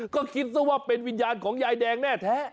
ก็คิดซะว่าเป็นวิญญาณของยายแดงแน่แท้